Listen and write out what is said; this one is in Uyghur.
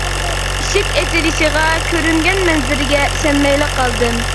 ئىشىك ئېچىلىشىغا كۆرۈنگەن مەنزىرىگە ئىشەنمەيلا قالدىم.